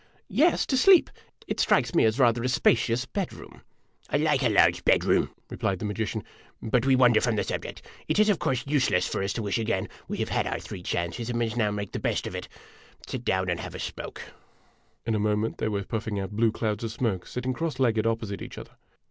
<_>" Yes, to sleep. It strikes me as rather a spacious bedroom !"" I like a large bedroom," replied the magician. " But we wan der from the subject. It is, ot course, useless for us to wish again. We have had our three chances, and must now make the best of it. Sit down and have a smoke." In a moment they were puffing out blue clouds of smoke, sit ting cross legged opposite each other.